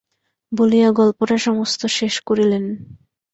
বলিয়া গল্পটা সমস্ত শেষ করিলেন।